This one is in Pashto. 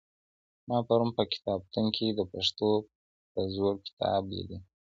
ما پرون په کتابتون کي د پښتو یو زوړ کتاب لیدی